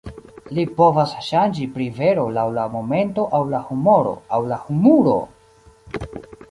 Li povas ŝanĝi pri vero laŭ la momento aŭ la humoro, aŭ la humuro!